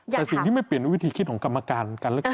แต่สิ่งที่ไม่เปลี่ยนวิธีคิดของกรรมการการเลือกตั้ง